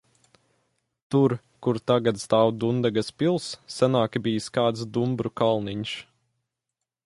Tur, kur tagad stāv Dundagas pils, senāk bijis kāds dumbru kalniņš.